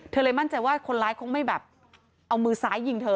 เลยมั่นใจว่าคนร้ายคงไม่แบบเอามือซ้ายยิงเธอ